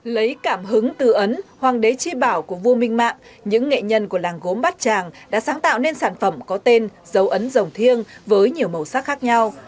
lấy cảm hứng từ ấn hoàng đế tri bảo của vua minh mạng những nghệ nhân của làng gốm bát tràng đã sáng tạo nên sản phẩm có tên dấu ấn dòng thiêng với nhiều màu sắc khác nhau